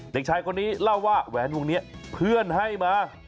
เด็กชายคนนี้เล่าว่าแหวนวงนี้เพื่อนให้มา